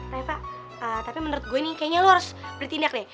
reva tapi menurut gue nih kayaknya lo harus beritindak deh